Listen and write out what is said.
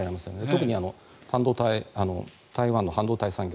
特に半導体、台湾の半導体産業